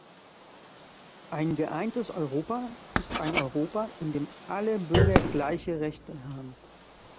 Ein geeintes Europa ist ein Europa, in dem alle Bürger gleiche Rechte haben.